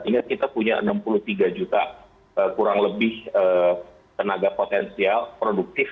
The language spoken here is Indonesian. ingat kita punya enam puluh tiga juta kurang lebih tenaga potensial produktif